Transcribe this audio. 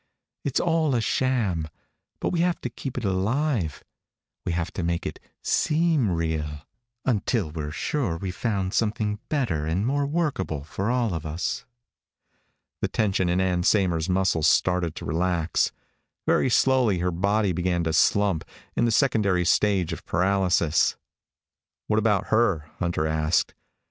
It's all a sham, but we have to keep it alive. We have to make it seem real until we're sure we've found something better and more workable for all of us." The tension in Ann Saymer's muscles started to relax. Very slowly her body began to slump, in the secondary stage of paralysis. "What about her?" Hunter asked.